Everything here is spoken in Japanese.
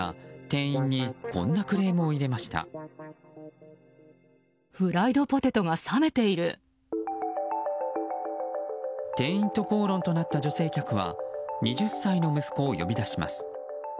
店員と口論となった女性客は２０歳の息子を呼び出します。